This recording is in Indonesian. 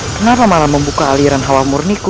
kenapa malah membuka aliran hawa murniku